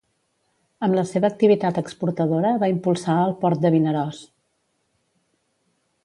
Amb la seva activitat exportadora va impulsar el port de Vinaròs.